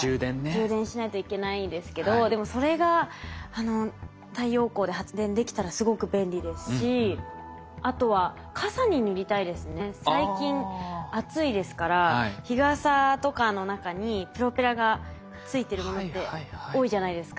充電しないといけないですけどでもそれが太陽光で発電できたらすごく便利ですしあとは最近暑いですから日傘とかの中にプロペラがついてるものって多いじゃないですか。